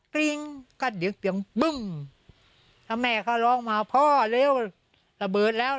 กริ้งกระดึกเสียงบึ้มถ้าแม่เขาร้องมาพ่อเร็วระเบิดแล้ว